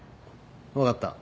わかった。